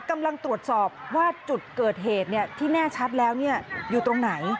กำลังตรวจสอบว่าจุดเกิดเหตุที่แน่ชัดแล้วอยู่ตรงไหน